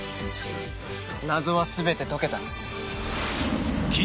謎は全て解けた。